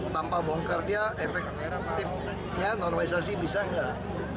tanpa bongkar dia efektifnya normalisasi bisa nggak